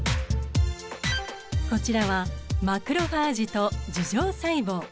こちらはマクロファージと樹状細胞。